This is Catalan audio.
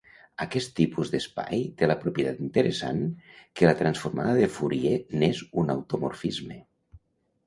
Aquest tipus d'espai té la propietat interessant que la transformada de Fourier n'és un automorfisme.